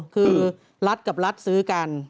คือรัฐกับรัฐซื้อกัน